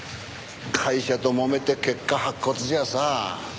会社ともめて結果白骨じゃあさ。